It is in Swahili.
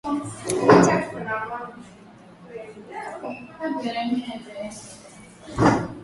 Abacha na mrithi wake Abdulsalam Abubakar kumpa mamlaka